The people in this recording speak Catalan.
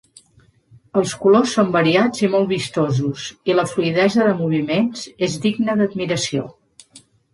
Els colors són variats i molt vistosos, i la fluïdesa de moviments és digna d'admiració.